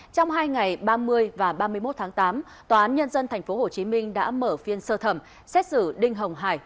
trong hai ngày ba mươi và ba mươi một tháng tám tòa án nhân dân tp hcm đã mở phiên sơ thẩm xét xử đinh hồng hải